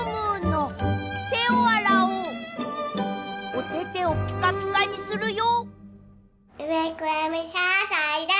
おててをピカピカにするよ。